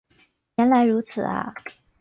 原来如此啊